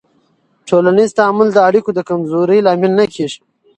ټولنیز تعامل د اړیکو د کمزورۍ لامل نه کېږي.